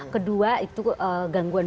kedua itu gangguan